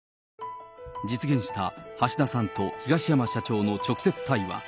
実現した橋田さんと東山社長の直接対話。